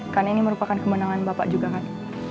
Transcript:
karena ini merupakan kemenangan bapak juga kan